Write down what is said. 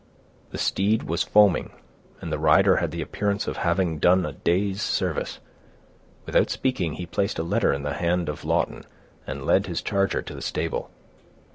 The steed was foaming, and the rider had the appearance of having done a day's service. Without speaking, he placed a letter in the hand of Lawton, and led his charger to the stable.